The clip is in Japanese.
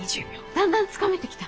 だんだんつかめてきた。